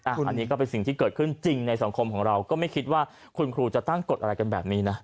อันนี้ก็เป็นสิ่งที่เกิดขึ้นจริงในสังคมของเราก็ไม่คิดว่าคุณครูจะตั้งกฎอะไรกันแบบนี้นะ